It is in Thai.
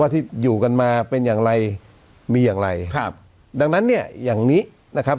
ที่อยู่กันมาเป็นอย่างไรมีอย่างไรครับดังนั้นเนี่ยอย่างนี้นะครับ